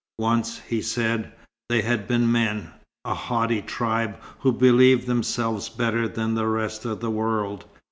Once, he said, they had been men a haughty tribe who believed themselves better than the rest of the world.